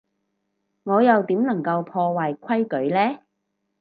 我又點能夠破壞規矩呢？